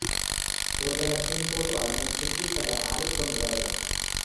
ஊர்வலத்தின்போது அவனைச் சுற்றிப் பலர் ஆடிக்கொண்டு வருவர்.